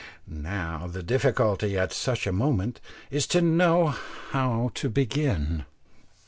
Now the difficulty at such a moment is to know how to begin.